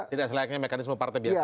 tidak selepasnya mekanisme partai biasanya